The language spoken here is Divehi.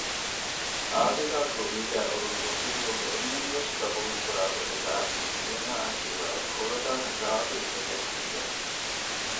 އާދިލާ ކުރީގައި އުޅުނު އޮފީހުގެ އެންމެންވެސް ގަބޫލު ކުރާގޮތުގައި އޭނާއަކީ ވަރަށް ކުޅަދާނަ ޤާބިލް ސެކެޓްރީއެއް